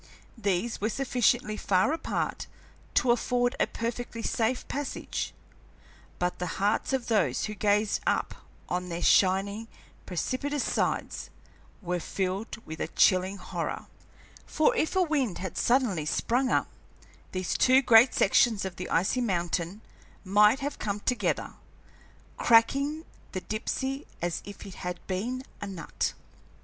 These were sufficiently far apart to afford a perfectly safe passage, but the hearts of those who gazed up on their shining, precipitous sides were filled with a chilling horror, for if a wind had suddenly sprung up, these two great sections of the icy mountain might have come together, cracking the Dipsey as if it had been a nut.